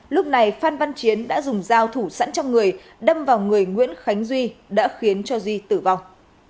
lúc này phan văn chiến đã dùng dao thủ sẵn trong người đâm vào người nguyễn khánh duy đã khiến cho duy tử vong